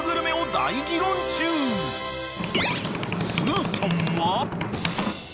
［すーさんは］